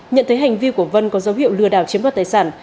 nhận thấy hành vi của vân có dấu hiệu lừa đảo chiếm đoạt tài sản